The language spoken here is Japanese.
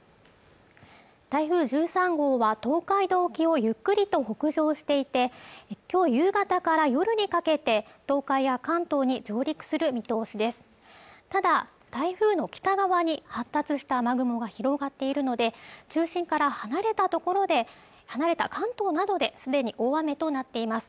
台風１３号は東海道沖をゆっくりと北上していてきょう夕方から夜にかけて東海や関東に上陸する見通しですただ台風の北側に発達した雨雲が広がっているので中心から離れた関東などですでに大雨となっています